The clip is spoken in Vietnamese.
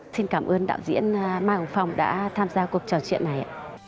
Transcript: xin cảm ơn đạo diễn mai hồng phong đã tham gia cuộc trò chuyện này ạ